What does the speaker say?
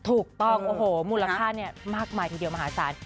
ถูกต้องโอ้โหมูลค่ามากมายทีเดียวมหาศาล